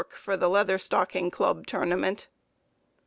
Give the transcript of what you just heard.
for the Leather Stocking Club Tournament.